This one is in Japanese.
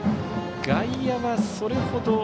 外野はそれほど。